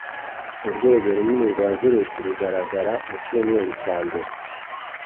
Urwego runini rwa virusi rugaragara mucyumweru cya mbere